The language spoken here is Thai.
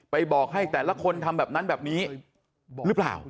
บอกให้แต่ละคนทำแบบนั้นแบบนี้หรือเปล่า